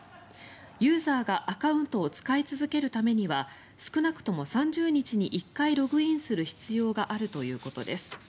ユーザーがアカウントを使い続けるためには少なくとも３０日に１回ログインする必要があるということです。